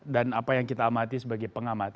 dan apa yang kita amati sebagai pengamat